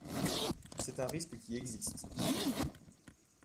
C’est un risque qui existe.